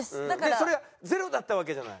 それがゼロだったわけじゃない。